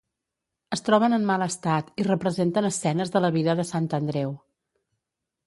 Es troben en mal estat i representen escenes de la vida de Sant Andreu.